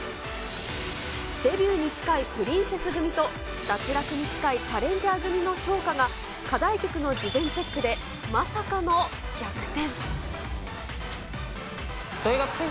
デビューに近いプリンセス組と、脱落に近いチャレンジャー組の評価が、課題曲の事前チェックでまさかの逆転。